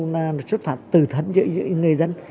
nó xuất phạt từ thân giữa những người dân